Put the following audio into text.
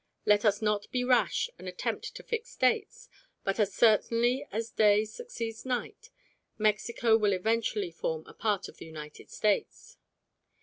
Let us not be rash and attempt to fix dates; but as certainly as day succeeds night, Mexico will eventually form a part of the United States.